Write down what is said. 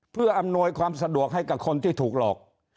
เพื่ออำนวยความสะดวกให้กับคนที่ถูกหลอก